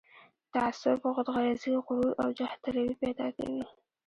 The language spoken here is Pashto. تعصب، خودغرضي، غرور او جاه طلبي پيدا کوي.